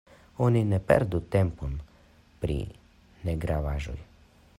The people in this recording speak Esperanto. Oni ne perdu tempon pri negravaĵoj.